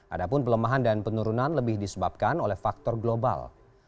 adapun pelemahan dan penurunan lebih disebabkan oleh faktor global